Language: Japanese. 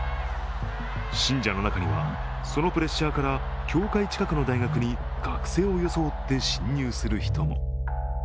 信者の中にはそのプレッシャーから教会近くの大学に学生を装って侵入する人も。